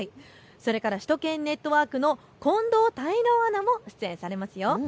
それから首都圏ネットワークの近藤泰郎アナも出演されますよ。